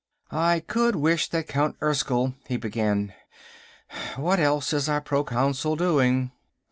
"I could wish that Count Erskyll...." he began. "What else is our Proconsul doing?"